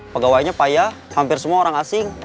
pegawainya payah hampir semua orang asing